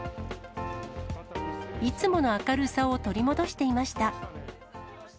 いつもの明るさを取り戻していました。